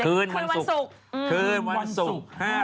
ของวันที่๒๗คืนวันศุกร์